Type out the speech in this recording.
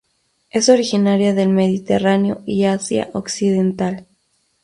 Es originaria del Mediterráneo y Asia occidental.